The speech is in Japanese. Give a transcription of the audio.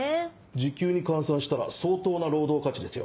時給に換算したら相当な労働価値ですよ。